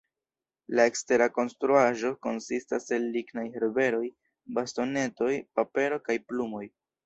La ekstera konstruaĵo konsistas el lignaj herberoj, bastonetoj, papero kaj plumoj.